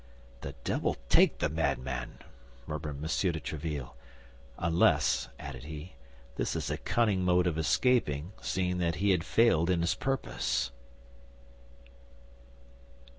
"The devil take the madman!" murmured M. de Tréville, "unless," added he, "this is a cunning mode of escaping, seeing that he had failed in his purpose!"